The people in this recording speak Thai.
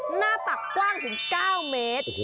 หน้าตักกว้างถึง๙เมตร